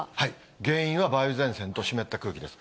原因は梅雨前線と湿った空気です。